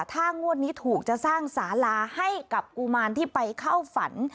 ถ้างวดนี้ถูกจะสร้างสาราให้กับกุมารที่ไปเข้าฝัน